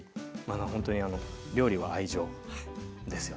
ほんとに料理は愛情ですよねはい。